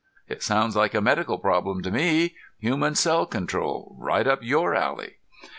"It sounds like a medical problem to me. Human cell control right up your alley."